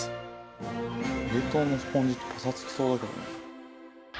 冷凍のスポンジってパサつきそうだけどな。